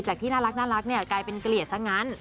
จากที่น่ารักกลายเป็นเกลียดซะงั้น